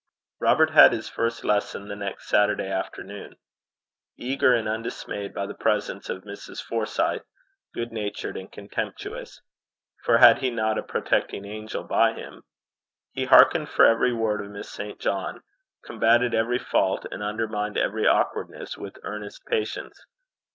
Robert had his first lesson the next Saturday afternoon. Eager and undismayed by the presence of Mrs. Forsyth, good natured and contemptuous for had he not a protecting angel by him? he hearkened for every word of Miss St. John, combated every fault, and undermined every awkwardness with earnest patience.